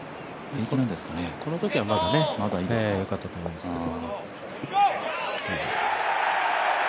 このときはまだ良かったと思いますけど。